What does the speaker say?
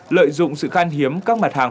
lợi dụng sự khan hiếm các mặt hàng